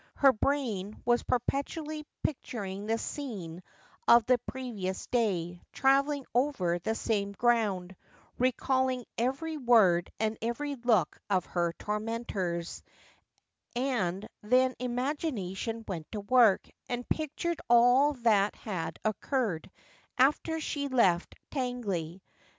Her brain was perpetually picturing the scene of the previous day, travelling over the same ground, recalling every word and every look of her tormentors ; and then imagination went to work, and pictured all that had occurred after she left Tangley.